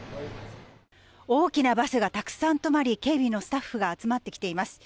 大きなバスがたくさん止まり、警備のスタッフが集まってきています。